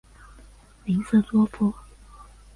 林斯多夫。